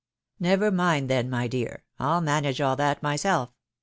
" Never mind, then, my dear ; I'll manage all that myself.